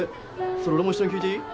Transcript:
それ俺も一緒に聞いていい？